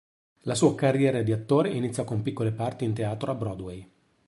La sua carriera di attore Iniziò con piccole parti in teatro a Broadway.